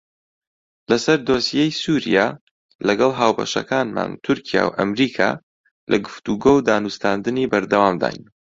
لەسەر دۆسیەی سووریا لەگەڵ هاوبەشەکانمان تورکیا و ئەمریکا لە گفتوگۆ و دانوستاندنی بەردەوامداین.